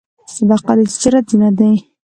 صداقت د تجارت زینت دی.